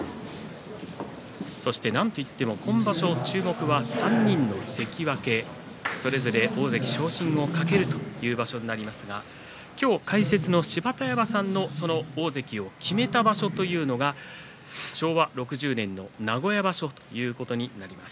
なんといっても今場所注目は３人の関脇それぞれ大関昇進を懸ける場所になりますが今日、解説の芝田山さん大関を決めた場所というのが昭和６０年名古屋場所ということになります。